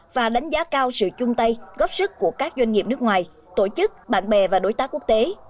và đánh giá cao sự chung tay góp sức của các doanh nghiệp nước ngoài tổ chức bạn bè và đối tác quốc tế